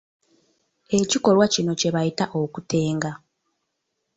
Ekikolwa kino kye bayita okutenga.